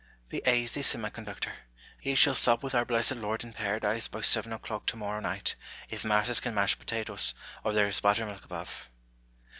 " Be aisy !" said my conductor. " He shall sup with our blessed Lord in Paradise by seven o'clock tomorrow night, if masses can mash potatoes, or there is butter milk above."